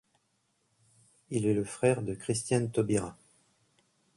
Il est le frère de Christiane Taubira.